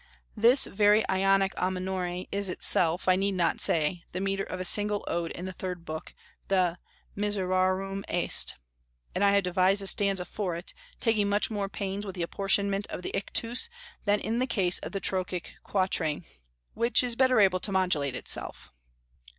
This very Ionic a minore is itself, I need not say, the metre of a single Ode in the Third Book, the "Miserarum est," and I have devised a stanza for it, taking much more pains with the apportionment of the ictus than in the case of the trochaic quatrain, which is better able to modulate itself.